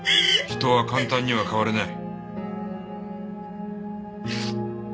人は簡単には変われない。